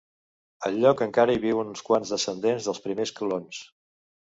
Al lloc encara hi viuen uns quants descendents dels primers colons.